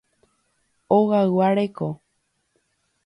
Ogaygua reko.